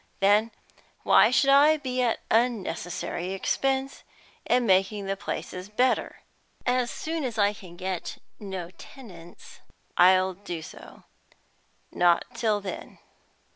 Then why should I be at unnecessary expense in making the places better? As soon as I can get no tenants I'll do so; not till then."